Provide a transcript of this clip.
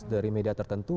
dari media tertentu